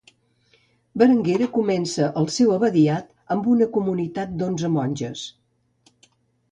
Berenguera comença el seu abadiat amb una comunitat d'onze monges.